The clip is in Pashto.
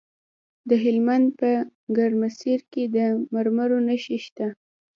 د هلمند په ګرمسیر کې د مرمرو نښې شته.